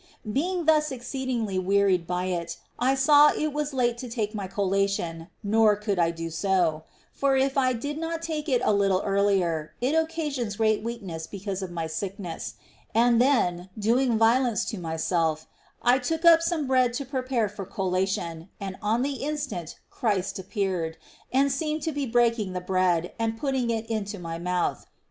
Being thus exceedingly wearied by it, I saw it was late to take my collation, nor could I do so, — for if I do not take it a little earlier, it occasions great weakness because of my sickness ; and then, doing violence to myself, I took up some bread to prepare for collation, and on the instan^ Christ appeared, and seemed to be breaking the bread and putting it into my mouth.